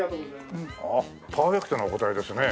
パーフェクトなお答えですね。